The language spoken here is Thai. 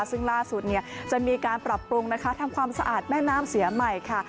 ซึ่งล่าสุดจะมีการปรับปรุงนะคะทำความสะอาดแม่น้ำเสียใหม่ค่ะ